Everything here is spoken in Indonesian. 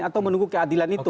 atau menunggu keadilan itu